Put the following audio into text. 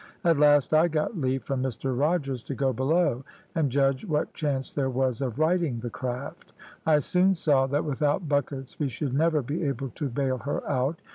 At last I got leave from Mr Rogers to go below, and judge what chance there was of righting the craft. I soon saw that without buckets we should never be able to bale her out.